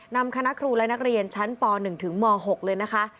นำคณะครูและนักเรียนชั้นป๑ถึงม๖เลยนะคะ